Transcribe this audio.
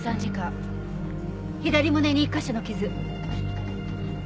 左胸に１カ所の傷。